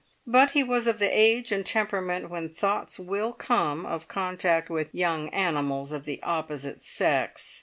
But he was of the age and temperament when thoughts will come of contact with young animals of the opposite sex.